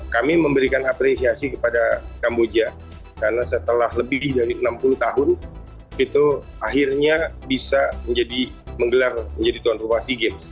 kami memberikan apresiasi kepada kamboja karena setelah lebih dari enam puluh tahun itu akhirnya bisa menjadi menggelar menjadi tuan rumah sea games